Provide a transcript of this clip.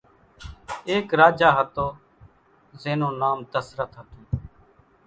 ايڪ راجا ھتو زين نون نام دسرت ھتون